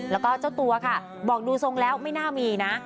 แล้วก็เจ้าตัวค่ะบอกดูทรงแล้วไม่น่ามีนะ